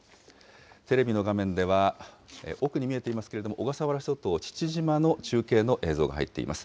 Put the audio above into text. テレビの画面では、奥に見えていますけれども、小笠原諸島父島の中継の映像が入っています。